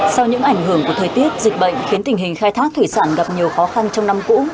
sau những ảnh hưởng của thời tiết dịch bệnh khiến tình hình khai thác thủy sản gặp nhiều khó khăn trong năm cũ